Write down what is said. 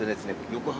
横浜